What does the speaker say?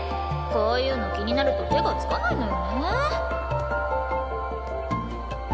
こういうの気になると手がつかないのよね。